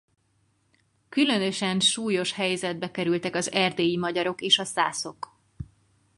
Különösen súlyos helyzetbe kerültek az erdélyi magyarok és szászok.